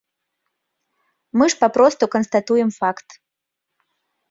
Мы ж папросту канстатуем факт.